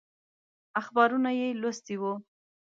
اخبارونه یې لوستي وو.